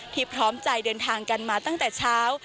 พร้อมใจเดินทางกันมาตั้งแต่เช้า